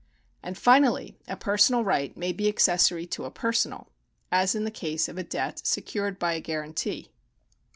And finally a personal right may be accessory to a personal ; as in the case of a debt secured by a guarantee.